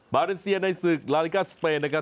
เลนเซียในศึกลาลิกาสเปนนะครับ